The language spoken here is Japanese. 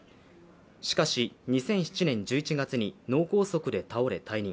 しかし、２００７年１１月に脳梗塞で倒れ、退任。